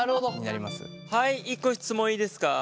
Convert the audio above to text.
はい１個質問いいですか？